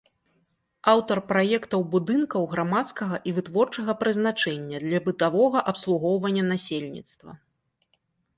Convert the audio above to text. Аўтар праектаў будынкаў грамадскага і вытворчага прызначэння для бытавога абслугоўвання насельніцтва.